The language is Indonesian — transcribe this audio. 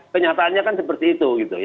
kenyataannya kan seperti itu